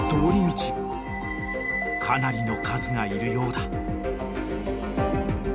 ［かなりの数がいるようだ］